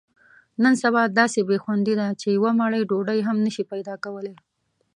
نن سبا داسې بې خوندۍ دي، چې یوه مړۍ ډوډۍ هم نشې پیداکولی.